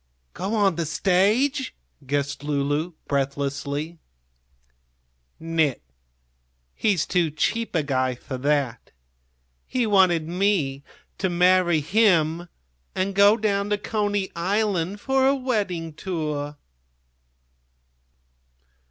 "Go on the stage?" guessed Lulu, breathlessly. "Nit; he's too cheap a guy for that. He wanted me to marry him and go down to Coney Island for a wedding tour!"